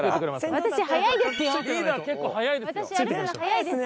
私速いですよ。